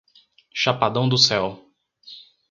Chapadão do Céu